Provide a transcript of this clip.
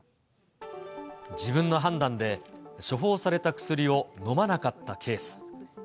自分の判断で、処方された薬を飲まなかったケース。